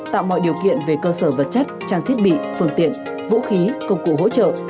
tạo mọi điều kiện về cơ sở vật chất trang thiết bị phương tiện vũ khí công cụ hỗ trợ